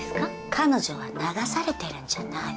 彼女は流されてるんじゃない。